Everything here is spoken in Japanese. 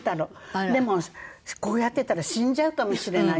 でもこうやってたら死んじゃうかもしれない。